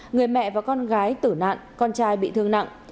người mẹ và con gái tử nạn con trai bị thương nặng